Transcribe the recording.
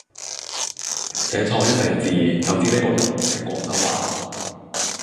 寫錯一隻字就知呢個人唔識廣州話